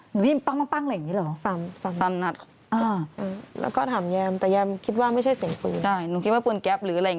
หนูได้ยินปั้งอะไรอย่างนี้เหรอฟังฟังฟังฟังฟังฟัง